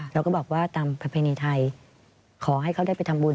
เราก็บอกว่าตามประเพณีไทยขอให้เขาได้ไปทำบุญ